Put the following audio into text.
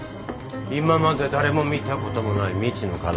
今まで誰も見たこともない未知の蚊だからな。